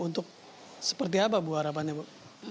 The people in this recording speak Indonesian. untuk seperti apa bu harapannya bu